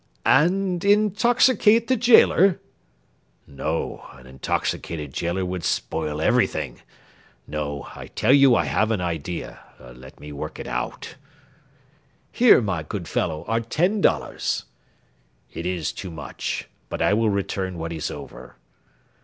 "And intoxicate the gaoler." "No, an intoxicated gaoler would spoil everything. No, I tell you I have an idea; let me work it out." "Here, my good fellow, are ten dollars." "It is too much, but I will return what is over."